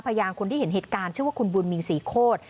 พยานคนที่เห็นเหตุการณ์ชื่อว่าคุณบุญมีศรีโคตร